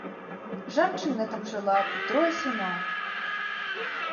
Жанчына там жыла і трое сыноў.